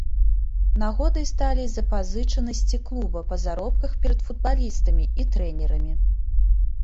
Нагодай сталі запазычанасці клуба па заробках перад футбалістамі і трэнерамі.